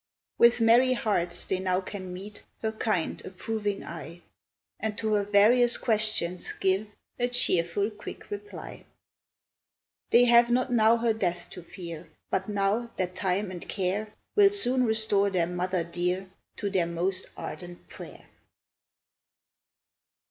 With merry hearts they now can meet Her kind approving eye, And to her various questions give A cheerful, quick reply. They have not now her death to fear, But know, that time and care, Will soon restore their mother dear, To their most ardent prayer.